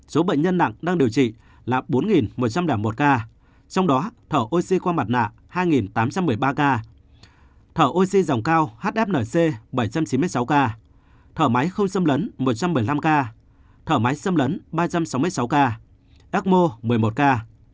số bệnh nhân nặng đang điều trị là bốn một trăm linh một ca trong đó thở oxy qua mặt nạ hai tám trăm một mươi ba ca thở oxy dòng cao hfnc bảy trăm chín mươi sáu ca thở máy không xâm lấn một trăm bảy mươi năm ca thở máy xâm lấn ba trăm sáu mươi sáu ca exmo một mươi một ca